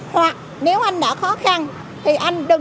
hoặc nếu anh đã khó khăn thì anh đừng